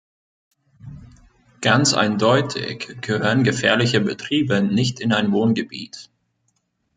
Ganz eindeutig gehören gefährliche Betriebe nicht in ein Wohngebiet.